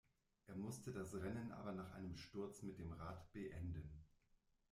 Er musste das Rennen aber nach einem Sturz mit dem Rad beenden.